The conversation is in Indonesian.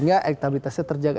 dan elektabilitasnya terjaga